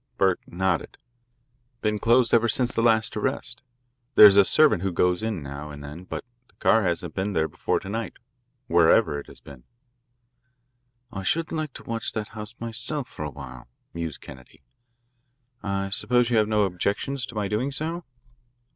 Burke nodded. "Been closed ever since the last arrest. There's a servant who goes in now and then, but the car hasn't been there before to night, wherever it has been." "I should like to watch that house myself for a while," mused Kennedy. "I suppose you have no objections to my doing so?"